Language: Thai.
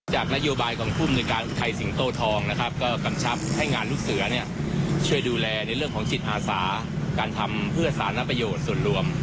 นโยบายของภูมิในการอุทัยสิงโตทองนะครับก็กำชับให้งานลูกเสือช่วยดูแลในเรื่องของจิตอาสาการทำเพื่อสารประโยชน์ส่วนรวม